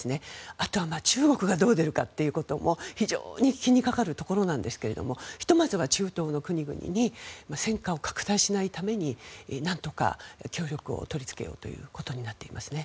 あとは中国がどう出るかということも非常に気にかかるところなんですがひとまずは中東の国々に戦火を拡大しないためになんとか協力を取りつけようということになっていますね。